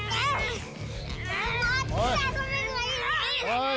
おい！